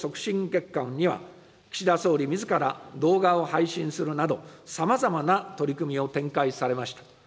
月間には、岸田総理みずから動画を配信するなど、さまざまな取り組みを展開されました。